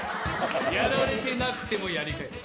「やられてなくてもやり返す」